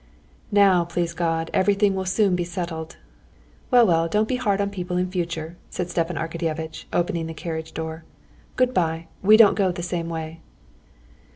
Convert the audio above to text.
"Now, please God, everything will soon be settled. Well, well, don't be hard on people in future," said Stepan Arkadyevitch, opening the carriage door. "Good bye; we don't go the same way."